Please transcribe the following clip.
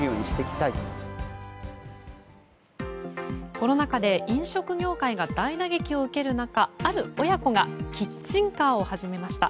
コロナ禍で飲食業界が大打撃を受ける中ある親子がキッチンカーを始めました。